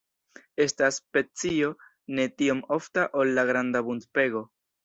Estas specio ne tiom ofta ol la Granda buntpego.